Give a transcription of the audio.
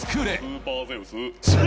スーパーゼウス。